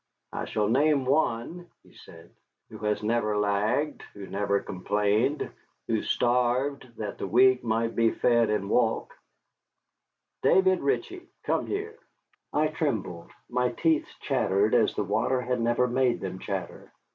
"I shall name one," he said, "one who never lagged, who never complained, who starved that the weak might be fed and walk. David Ritchie, come here." I trembled, my teeth chattered as the water had never made them chatter.